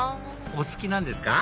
お好きなんですか？